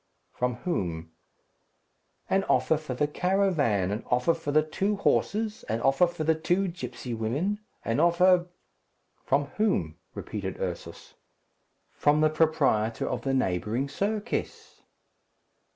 "From whom?" "An offer for the caravan, an offer for the two horses, an offer for the two gipsy women, an offer " "From whom?" repeated Ursus. "From the proprietor of the neighbouring circus."